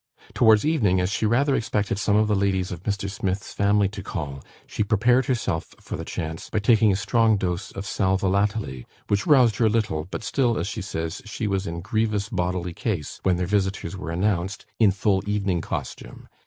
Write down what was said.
Towards evening, as she rather expected some of the ladies of Mr. Smith's family to call, she prepared herself for the chance, by taking a strong dose of sal volatile, which roused her a little, but still, as she says, she was "in grievous bodily case," when their visitors were announced, in full evening costume.